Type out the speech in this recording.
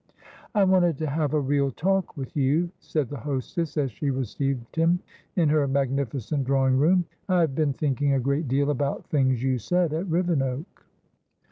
"I wanted to have a real talk with you," said the hostess, as she received him in her magnificent drawing room. "I have been thinking a great deal about things you said at Rivenoak."